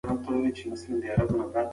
د سوپرنووا انفجارونه د ژوند لپاره خطر لري.